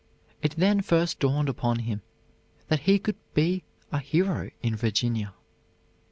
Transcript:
It then first dawned upon him that he could be a hero in Virginia.